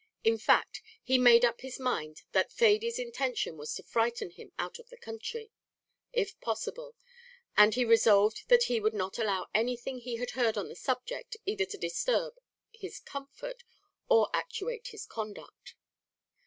In fact, he made up his mind that Thady's intention was to frighten him out of the country, if possible, and he resolved that he would not allow anything he had heard on the subject either to disturb his comfort, or actuate his conduct.